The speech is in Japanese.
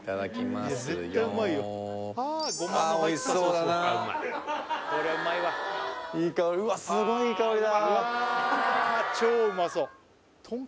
すごいいい香りだ